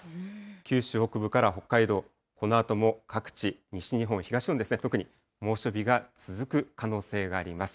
九州北部から北海道、このあとも各地、西日本、東日本ですね、特に猛暑日が続く可能性があります。